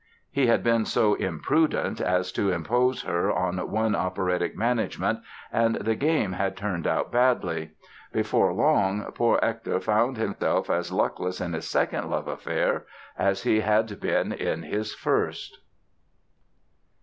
He had been so imprudent as to impose her on one operatic management and the game had turned out badly. Before long poor Hector found himself as luckless in his second love affair as he had been in his first.